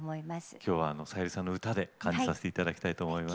今日はさゆりさんの歌で感じさせていただきたいと思います。